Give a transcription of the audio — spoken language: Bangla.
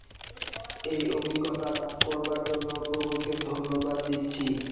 এই অভিজ্ঞতা লাভ করবার জন্য প্রভুকে ধন্যবাদ দিচ্ছি।